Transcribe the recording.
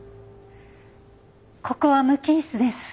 ここは無菌室です。